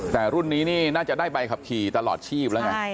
แต่รุ่นนี้นี่น่าจะได้ใบขับขี่ตลอดชีพแล้วไง